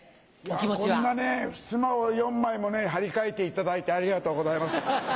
こんなふすまを４枚も張り替えていただいてありがとうございます。